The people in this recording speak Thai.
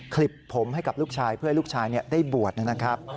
คลิปผมให้กับลูกชายเพื่อให้ลูกชายได้บวชนะครับ